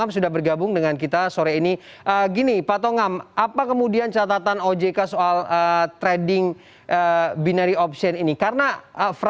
selamat sore kabar baik pak